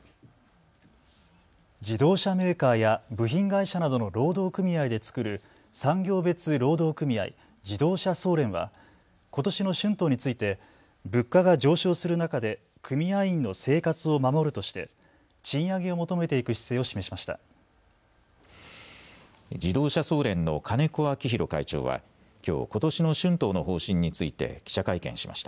自動車メーカーや部品会社などの労働組合で作る産業別労働組合、自動車総連はことしの春闘について物価が上昇する中で組合員の生活を守るとして賃上げを求めていく姿勢を示しました。